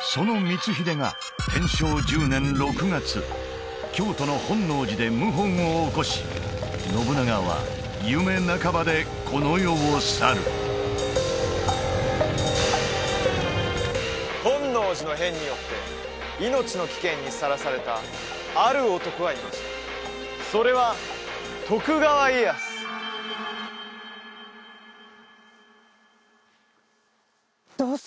その光秀が京都の本能寺で謀反を起こし信長は夢半ばでこの世を去る本能寺の変によって命の危険にさらされたある男がいましたそれは徳川家康どうする？